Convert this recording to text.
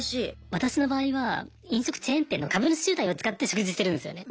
私の場合は飲食チェーン店の株主優待を使って食事するんですよね。